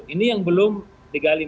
ini yang belum digali